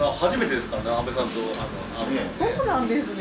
・そうなんですね。